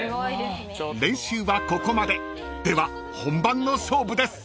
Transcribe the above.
［練習はここまででは本番の勝負です］